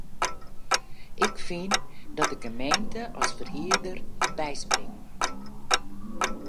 Ik fyn dat de gemeente as ferhierder byspringe moat.